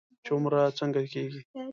چې عمره څنګه کېږي.